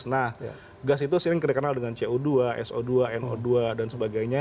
nah gas itu sering dikenal dengan co dua so dua no dua dan sebagainya